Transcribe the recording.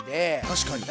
確かに。